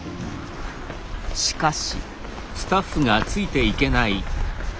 しかし。